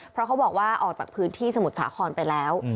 เพราะเขาบอกว่าออกจากพื้นที่สมุทรสาครไปแล้ว